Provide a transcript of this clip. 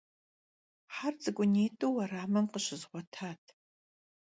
Her ts'ık'unit'eu vueramım khışızğuetat.